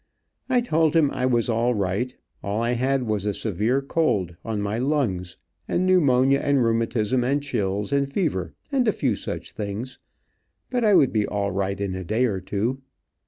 I told him I was all right. All I had was a severe cold, on my lungs, and pneumonia, and rheumatism, and chills and fever, and a few such things, but I would be all right in a day or two.